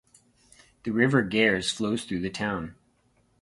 The River Gers flows through the town.